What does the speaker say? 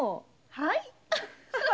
はい。